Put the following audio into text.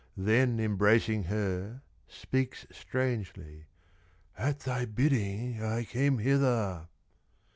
Then embracing her, speaks strangely, "At thy bidding I came hither."